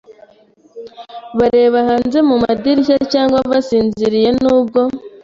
bareba hanze mu madirishya cyangwa basinziriye Nubwo